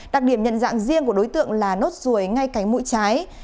đặc điểm nhận dạng riêng của đối tượng là nốt ruồi ngay cánh mũi trái